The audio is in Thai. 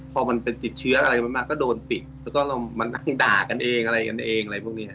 พอมันเป็นติดเชื้ออะไรมากก็โดนปิดแล้วก็เรามานั่งด่ากันเองอะไรกันเอง